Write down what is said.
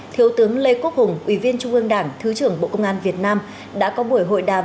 thiếu tướng lê quốc hùng ủy viên trung ương đảng thứ trưởng bộ công an việt nam đã có buổi hội đàm